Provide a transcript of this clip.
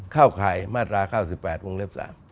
เข้าข่ายมาตราข้าว๑๘องค์เล็บ๓